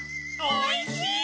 おいしい！